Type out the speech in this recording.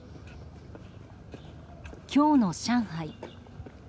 今日の上海。